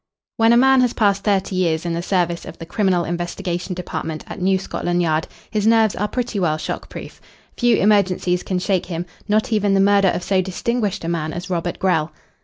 When a man has passed thirty years in the service of the Criminal Investigation Department at New Scotland Yard his nerves are pretty well shock proof. Few emergencies can shake him not even the murder of so distinguished a man as Robert Grell.